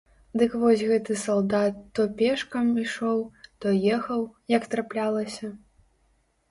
Дык вось гэты салдат то пешкам ішоў, то ехаў, як траплялася.